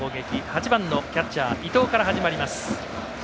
８番のキャッチャー伊藤から始まります。